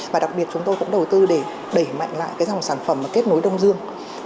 và đặc biệt chúng tôi cũng đầu tư để đẩy mạnh lại dòng sản phẩm kết nối đông dương